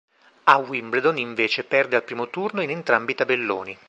A Wimbledon invece perde al primo turno in entrambi i tabelloni.